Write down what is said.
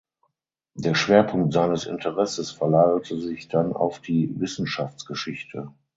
Der Schwerpunkt seines Interesses verlagerte sich dann auf die Wissenschaftsgeschichte.